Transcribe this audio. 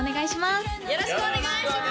よろしくお願いします